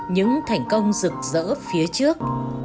những thành công rực rỡ phía trước